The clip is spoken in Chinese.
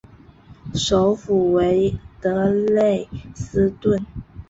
首府为德累斯顿。